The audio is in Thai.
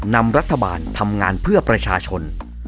นำรัฐบาลทำงานเพื่อประชาชน